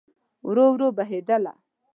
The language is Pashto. ورو، ورو بهیدله